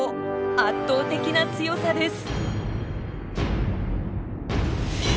圧倒的な強さです。